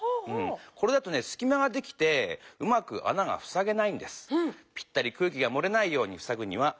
これだとねすき間ができてうまくあながふさげないんです。